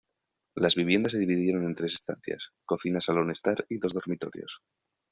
Las viviendas se dividieron en tres estancias: Cocina-salón-estar y dos dormitorios.